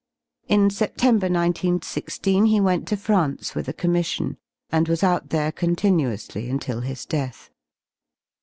In September igi6 he went to France with a commission, and was out there continuously until his death.